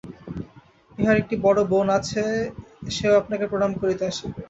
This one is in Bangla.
ইঁহার একটি বড়ো বোন আছে, সেও আপনাকে প্রণাম করিতে আসিবে।